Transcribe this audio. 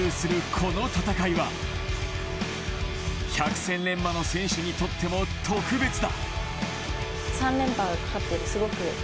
この戦いは百戦錬磨の選手にとっても特別だ。